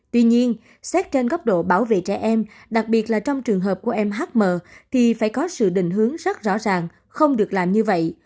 tuy nhiên xét trên góc độ bảo vệ trẻ em đặc biệt là trong trường hợp của mhm thì phải có sự định hướng rất rõ ràng không được làm như vậy